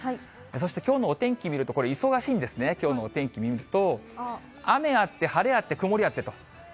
そしてきょうのお天気見ると、これ、忙しいんですね、きょうのお天気見ると、雨あって、晴れあって、曇りあってと。